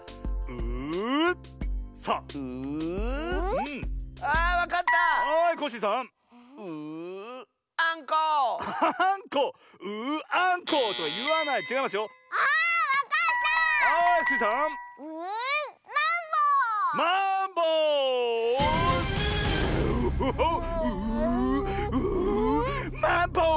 ううううマンボウ！